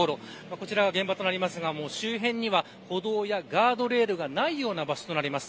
こちらが現場となる周辺には歩道やガードレールがないような場所となります。